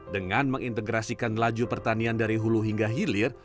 dengan mengintegrasikan laju pertanian dari hulu hingga hilir